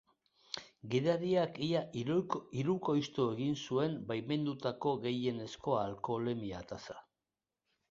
Gidariak ia hirukoiztu egin zuen baimendutako gehienezko alkoholemia tasa.